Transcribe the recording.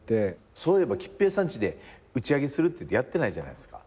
そういえば桔平さんちで打ち上げするって言ってやってないじゃないですか。